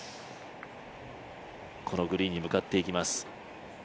このグリーンに向かっていきます。